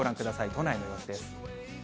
都内の様子です。